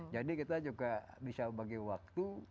jadi kita juga bisa bagi waktu